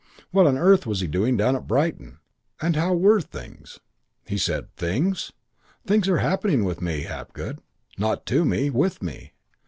What on earth was he doing down at Brighton, and how were things? "He said 'Things...? Things are happening with me, Hapgood. Not to me with me.